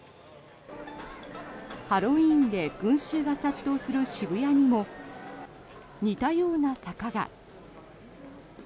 ハロウィーンで群衆が殺到する渋谷にも似たような坂が。